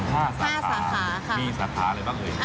๕สาขาครับมีสาขาอะไรบ้างเลย